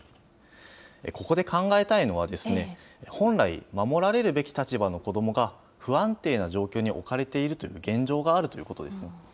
ここで考えたいのは、本来、守られるべき立場の子どもが、不安定な状況に置かれているという現状があるということですね。